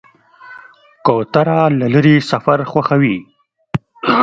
کوتره له لرې سفر خوښوي.